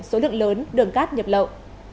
số lượng lớn đường cát nhập lậu